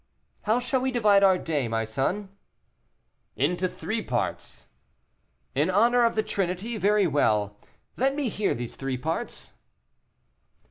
"How shall we divide our day, my son?" "Into three parts." "In honor of the Trinity; very well, let me hear these three parts."